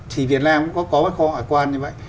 thì việt nam cũng có cái kho ngoại quan như vậy